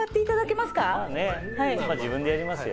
まぁ自分でやりますよ。